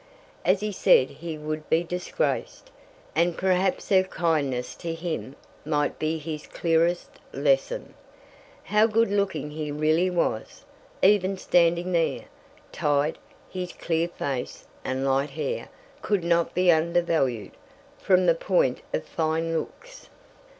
As he said he would be disgraced, and perhaps her kindness to him might be his clearest lesson. How good looking he really was! Even standing there, tied, his clear face, and light hair, could not be undervalued, from the point of fine looks.